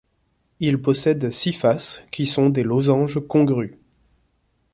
Il possède six faces qui sont des losanges congrus.